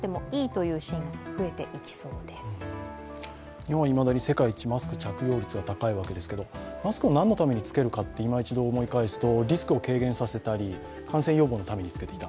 日本はいまだに世界一マスク着用率が高いわけですけれども、マスクを何のために着けるかと、いま一度思い返すと、リスクを軽減させたり、感染予防のためにつけていた。